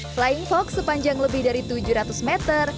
flying fox sepanjang lebih dari tujuh ratus meter